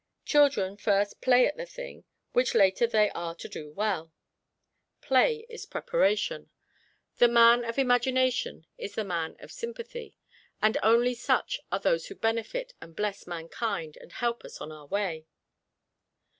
Children first play at the thing, which later they are to do well. Play is preparation. The man of imagination is the man of sympathy, and only such are those who benefit and bless mankind and help us on our way.